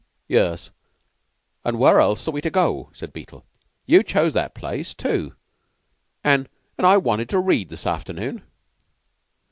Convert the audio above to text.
"Yes, and where else are we to go?" said Beetle. "You chose that place, too an' an' I wanted to read this afternoon."